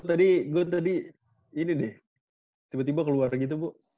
tadi gue tadi ini nih tiba tiba keluar gitu bu